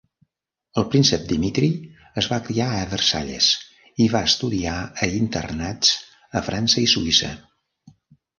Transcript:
El príncep Dimitri es va criar a Versalles, i va estudiar a internats a França i Suïssa.